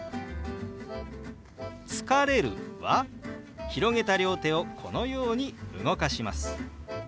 「疲れる」は広げた両手をこのように動かします。